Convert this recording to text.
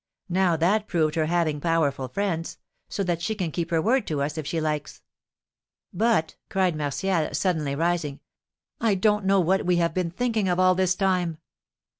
Now that proved her having powerful friends; so that she can keep her word to us if she likes." "But," cried Martial, suddenly rising, "I don't know what we have been thinking of all this time!"